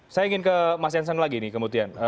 saya ingin ke mas jansen lagi nih kemudian